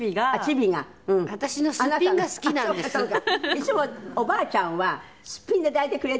いつもおばあちゃんはスッピンで抱いてくれてる？